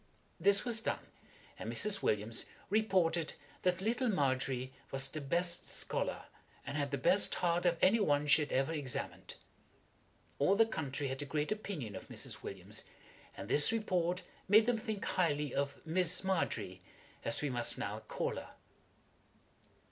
This was done, and Mrs. Williams reported that little Margery was the best scholar, and had the best heart of any one she had ever examined. All the country had a great opinion of Mrs. Williams, and this report made them think highly of Miss MARGERY, as we must now call her.